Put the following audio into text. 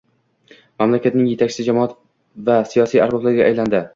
mamlakatning yetakchi jamoat va siyosiy arboblariga aylandi.